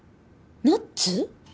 ナッツ？